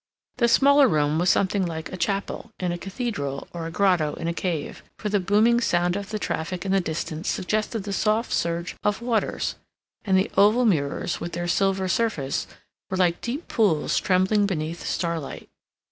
The smaller room was something like a chapel in a cathedral, or a grotto in a cave, for the booming sound of the traffic in the distance suggested the soft surge of waters, and the oval mirrors, with their silver surface, were like deep pools trembling beneath starlight.